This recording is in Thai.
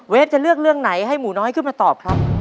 จะเลือกเรื่องไหนให้หมูน้อยขึ้นมาตอบครับ